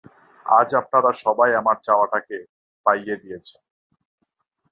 আজ, আপনারা সবাই আমার চাওয়া টাকে পাইয়ে দিয়েছেন।